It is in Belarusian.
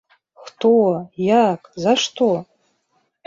Хто, як, за што?!.